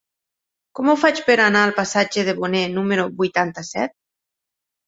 Com ho faig per anar al passatge de Boné número vuitanta-set?